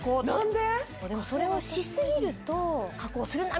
でもそれをしすぎると「加工するな！」